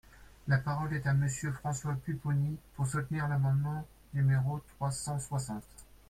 La parole est à Monsieur François Pupponi, pour soutenir l’amendement numéro trois cent soixante.